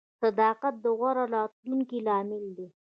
• صداقت د غوره راتلونکي لامل دی.